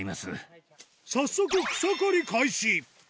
早速、草刈り開始。